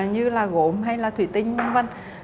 như là gốm hay là thủy tinh v v